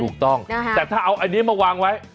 ถูกต้องแต่ถ้าเอาอันนี้มาวางไว้